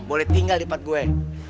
boleh tinggal di part gue